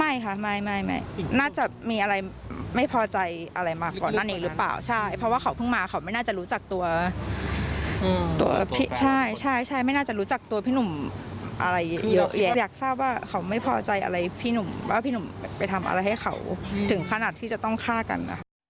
ออกมาให้เขาดรบด้วยถึงขนาดที่จะต้องฆ่ากันนะครับ